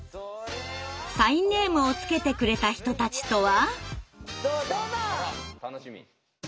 サインネームをつけてくれた人たちとは？